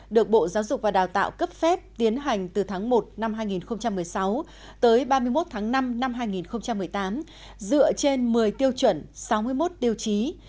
được bộ giáo dục và đào tạo cấp phép tiến hành từ tháng một năm hai nghìn một mươi sáu tới ba mươi một tháng năm năm hai nghìn một mươi tám dựa trên một mươi tiêu chuẩn sáu mươi một tiêu chí